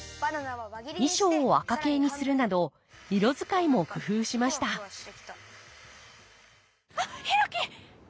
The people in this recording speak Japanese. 衣装を赤系にするなど色使いも工夫しました・あっヒロキ！